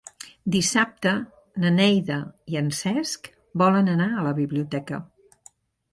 Dissabte na Neida i en Cesc volen anar a la biblioteca.